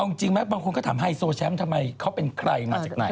เอาจริงไหมบางคนก็ถามไฮโซแชมป์ทำไมเขาเป็นใครมาจากไหน